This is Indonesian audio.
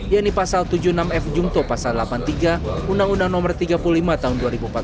yaitu pasal tujuh puluh enam f jumto pasal delapan puluh tiga undang undang no tiga puluh lima tahun dua ribu empat belas